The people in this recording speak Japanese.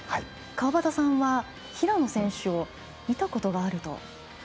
川端さんは平野選手を見たことがあると。